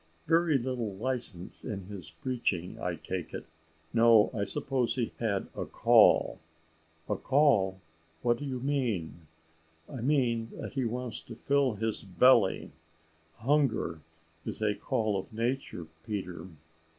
"Very little license in his preaching, I take it; no, I suppose he has had a call." "A call! what do you mean?" "I mean that he wants to fill his belly. Hunger is a call of nature, Peter."